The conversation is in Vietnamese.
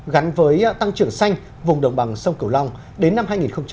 gắn với tăng trưởng xanh vùng đồng bằng sông cửu long đến năm hai nghìn ba mươi